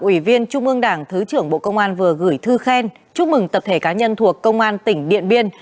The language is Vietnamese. ủy viên trung ương đảng thứ trưởng bộ công an vừa gửi thư khen chúc mừng tập thể cá nhân thuộc công an tỉnh điện biên